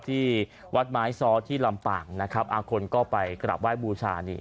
ที่วัดไม้ซ้อที่ลำปางนะครับอ่าคนก็ไปกลับไห้บูชานี่